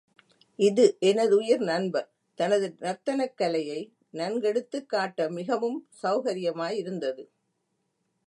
இது எனதுயிர் நண்பர் தனது நர்த்தனக் கலையை, நன்கெடுத்துக் காட்ட மிகவும் சௌகரியமாயிருந்தது.